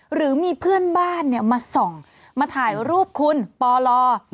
หรือมีเพื่อนบ้านมาส่องมาถ่ายรูปคุณปล